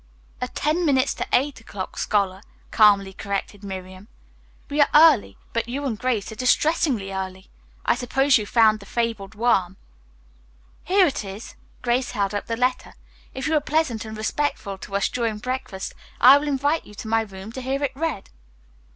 "A ten minutes to eight o'clock scholar," calmly corrected Miriam. "We are early, but you and Grace are distressingly early. I suppose you found the fabled worm." "Here it is." Grace held up the letter. "If you are pleasant and respectful to us during breakfast, I will invite you to my room to hear it read."